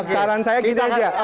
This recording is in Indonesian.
saran saya gitu saja